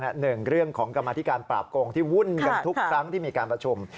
หนึ่งเรื่องของกรรมธิการปราบโกงที่วุ่นกันทุกครั้งที่มีการประชุม